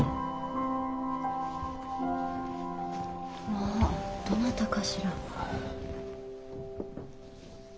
まぁどなたかしら？